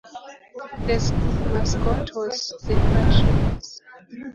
The school mascot was the Patriots.